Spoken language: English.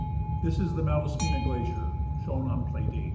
This is the Malaspina glacier, shown on plate 8.